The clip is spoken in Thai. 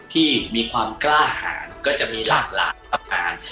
ที่มีความกล้าอาหารก็จะมีหลักอาหาร